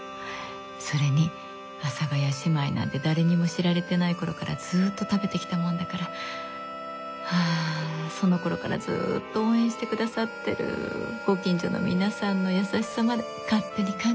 それに阿佐ヶ谷姉妹なんて誰にも知られてない頃からずっと食べてきたもんだからあそのころからずっと応援して下さってるご近所の皆さんの優しさまで勝手に感じたりして。